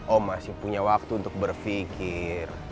oh masih punya waktu untuk berpikir